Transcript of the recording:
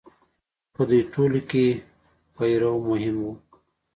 په دوی ټولو کې پیرو مهم و.